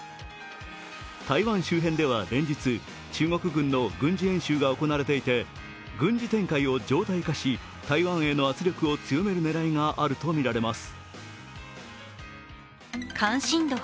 台湾周辺では連日、中国軍の軍事演習が行われていて軍事展開を常態化し台湾への圧力を強める狙いがあるとみられます。